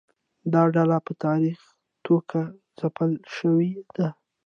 دا ډله په تاریخي توګه ځپل شوې ده.